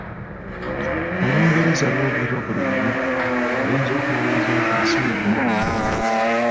Olungereza lwogerebwa buli wamu oyinza okulowooza nti ensi yonna lw'eyogera.